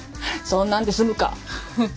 そんなんで済むか！